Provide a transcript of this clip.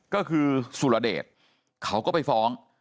ก็คือสุรเดชเขาก็ไปฟ้อง